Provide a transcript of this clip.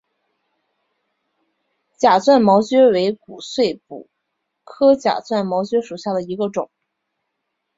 假钻毛蕨为骨碎补科假钻毛蕨属下的一个种。